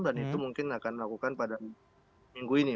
itu mungkin akan dilakukan pada minggu ini